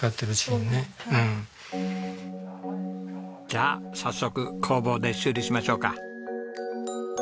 じゃあ早速工房で修理しましょうか。